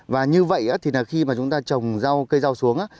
và như vậy thì là khi mà chúng ta trồng cây rau xuống á